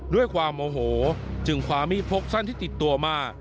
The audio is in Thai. ด้วยความโมโหจึงคว้ามีดพกสั้นที่ติดตัวมา